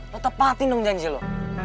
lu tepatin dong janji lu